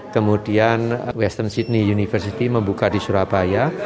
kemudian western sydney university membuka di surabaya